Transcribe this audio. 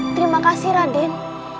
terima kasih radin